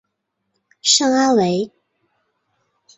圣阿维。